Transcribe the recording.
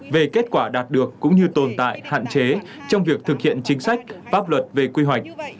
về kết quả đạt được cũng như tồn tại hạn chế trong việc thực hiện chính sách pháp luật về quy hoạch